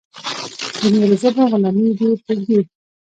د نورو ژبو غلامي دې پرېږدي.